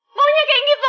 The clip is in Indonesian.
maunya kayak gitu